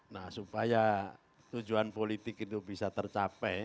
nah supaya tujuan politik itu bisa tercapai